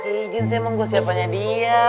ngapain pake ijin sih emang gue siapanya dia